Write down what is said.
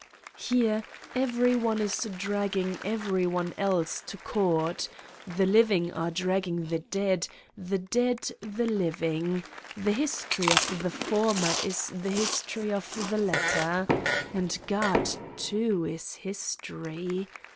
Here every one is dragging every one else to court : the living are dragging the dead, the dead the living. The history of the former is the history of the latter. And God, too, is History